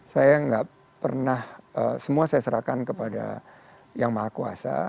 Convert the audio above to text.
saya nggak pernah semua saya serahkan kepada yang maha kuasa